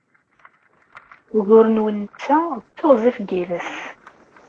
Ugur-nwen netta d teɣzef n yiles.